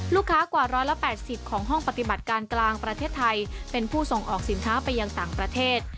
ลูกค้ากว่า๑๘๐ของห้องปฏิบัติการกลางประเทศไทยเป็นผู้ส่งออกสินค้าไปยังต่างประเทศ